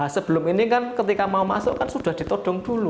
sebelum ini kan ketika mau masuk kan sudah ditodong dulu